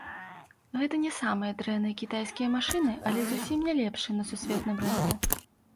Гэта не самыя дрэнныя кітайскія машыны, але зусім не лепшыя на сусветным рынку.